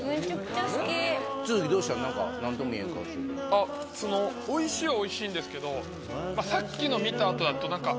あっそのおいしいはおいしいんですけどさっきの見た後だと何か。